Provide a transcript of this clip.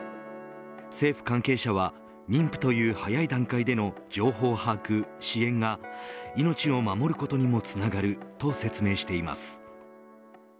政府関係者は妊婦という早い段階での情報把握、支援が命を守ることにもつながると説明しています。